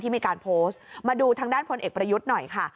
มีการโพสต์มาดูทางด้านพลเอกประยุทธ์หน่อยค่ะ